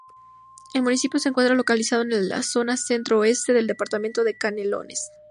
El municipio se encuentra localizado en la zona centro-oeste del departamento de Canelones.